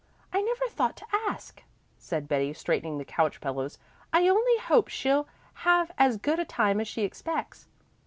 I never thought to ask," said Betty, straightening the couch pillows. "I only hope she'll have as good a time as she expects."